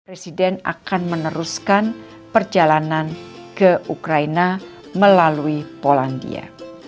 presiden akan meneruskan perjalanan ke ukraina melalui polandia